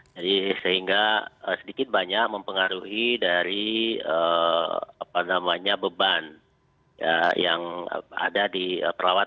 jadi sehingga sedikit banyak mempengaruhi dari beban yang ada di perawat